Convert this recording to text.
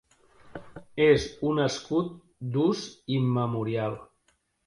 És un escut d'ús immemorial.